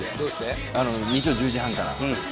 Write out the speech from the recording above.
日曜１０時半から。